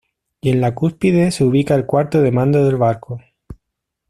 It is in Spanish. Y en la cúspide se ubica el cuarto de mando del barco.